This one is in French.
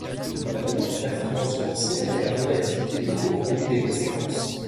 La médiocre performance boursière et la volatilité des cours ont eu des conséquences.